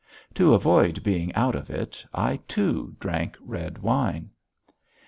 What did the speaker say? To avoid being out of it I, too, drank red wine.